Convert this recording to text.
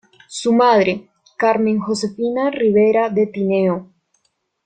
Su madre, Carmen Josefina Rivera de Tineo.